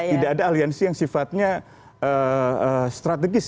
tidak ada aliansi yang sifatnya strategis